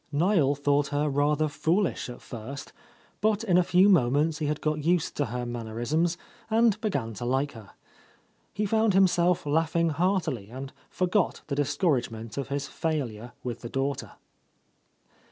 Niel thought her rather foolish at first, but in a few moments he had got used to her mannerisms and began to like her. He found himself laughing heartily and forgot the discouragement of his failure with the daughter.